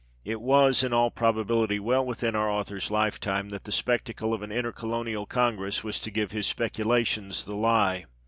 It was, in all probability, well within our author's lifetime that the spectacle of an intercolonial Congress was to give his speculations the lie.